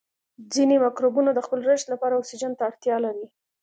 ځینې مکروبونه د خپل رشد لپاره اکسیجن ته اړتیا لري.